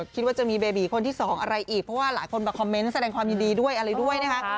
คิดว่าจะมีเบบีคนที่สองอะไรอีกเพราะว่าหลายคนมาคอมเมนต์แสดงความยินดีด้วยอะไรด้วยนะคะ